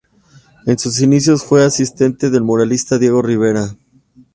En sus inicios fue asistente del muralista Diego Rivera.